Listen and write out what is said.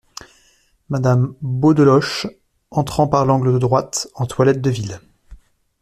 Madame Beaudeloche , entrant par l’angle de droite en toilette de ville.